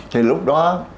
thì lúc đó